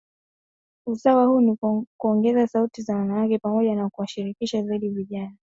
Usawa huu ni kwa kuongeza sauti za wanawake, pamoja na kuwashirikisha zaidi vijana